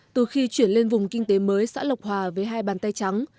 từ khi chuyển lên vùng kinh tế mới xã lộc hòa với hai bàn tay trắng